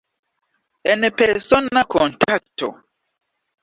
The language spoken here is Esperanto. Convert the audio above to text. En persona kontakto.